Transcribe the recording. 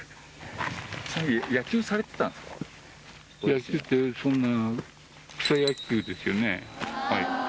野球ってそんな。